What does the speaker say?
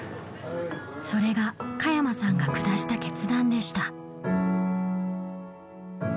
それが加山さんが下した決断でした。